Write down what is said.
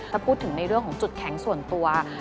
ถ้าพูดถึงในเรื่องของจุดแข็งส่วนตัว